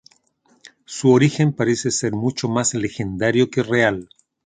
Su origen parece ser mucho más legendario que real.